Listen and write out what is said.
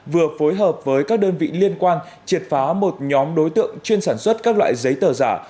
vừa phối hợp với các đơn vị liên quan triệt phá một nhóm đối tượng chuyên sản xuất các loại giấy tờ giả